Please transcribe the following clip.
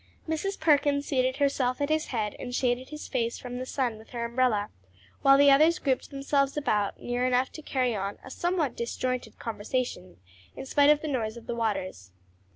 Mrs. Perkins seated herself at his head and shaded his face from the sun with her umbrella, while the others grouped themselves about, near enough to carry on a somewhat disjointed conversation in spite of the noise of the waters.